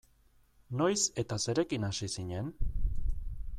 Noiz eta zerekin hasi zinen?